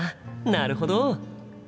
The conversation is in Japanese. なるほど。